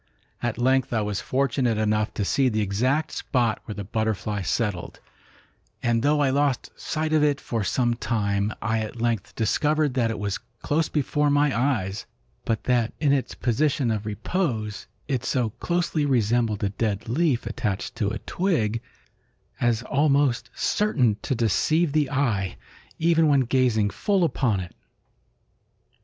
At length I was fortunate enough to see the exact spot where the butterfly settled, and though I lost sight of it for some time, I at length discovered that it was close before my eyes, but that in its position of repose it so closely resembled a dead leaf attached to a twig as almost certain to deceive the eye, even when gazing full upon it.